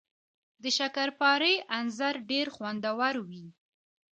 د شکرپارې انځر ډیر خوندور وي